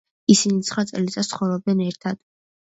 ისინი ცხრა წელიწადს ცხოვრობდნენ ერთად.